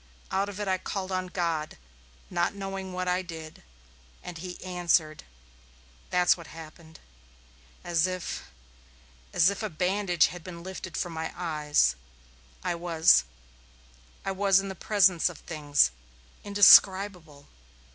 Out of it I called on God, not knowing what I did. And he answered. That's what happened. As if as if a bandage had been lifted from my eyes, I was I was in the presence of things indescribable.